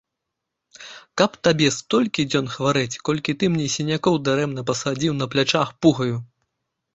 Каб табе столькі дзён хварэць, колькі ты мне сінякоў дарэмна пасадзіў на плячах пугаю!